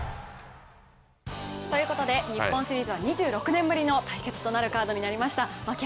ということで日本シリーズは２６年ぶりの対決となるカードになりました。